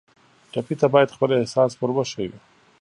ټپي ته باید خپل احساس ور وښیو.